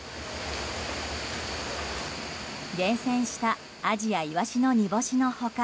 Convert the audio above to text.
厳選したアジやイワシの煮干しの他